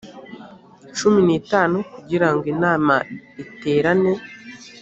cumi n itanu kugira ngo inama iterane